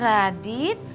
selamat tinggal mas